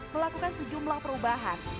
melakukan sejumlah perubahan